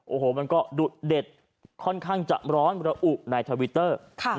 โอ้โหมันก็ดุเด็ดค่อนข้างจะร้อนระอุในทวิตเตอร์